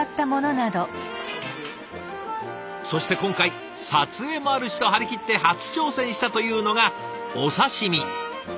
そして今回撮影もあるしと張り切って初挑戦したというのがお刺身。